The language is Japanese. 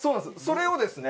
それをですね